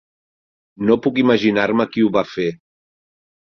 No puc imaginar-me qui ho va fer.